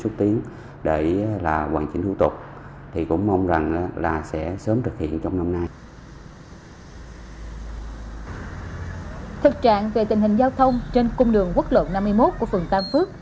các bạn về tình hình giao thông trên cung đường quốc lộ năm mươi một của phường tam phước